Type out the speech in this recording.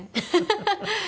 ハハハハ！